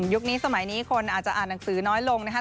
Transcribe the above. นี้สมัยนี้คนอาจจะอ่านหนังสือน้อยลงนะครับ